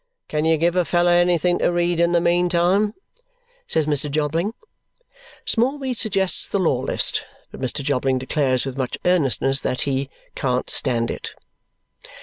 "Can you give a fellow anything to read in the meantime?" says Mr. Jobling. Smallweed suggests the law list. But Mr. Jobling declares with much earnestness that he "can't stand it."